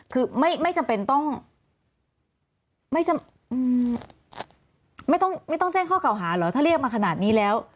คือไม่จำเป็นต้องไม่ต้องแจ้งข้อเก่าหาเหรอถ้าเรียกมาขนาดนี้แล้ว